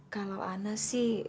kalau anak sih